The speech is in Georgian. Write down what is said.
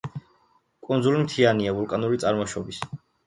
კუნძული მთიანია, ვულკანური წარმოშობის.